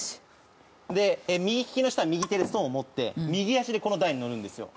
で右利きの人は右手でストーンを持って右足でこの台にのるんですよ。